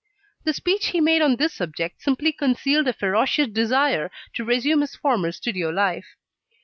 The speech he made on this subject simply concealed a ferocious desire to resume his former studio life.